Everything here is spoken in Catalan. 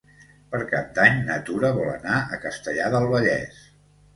Per Cap d'Any na Tura vol anar a Castellar del Vallès.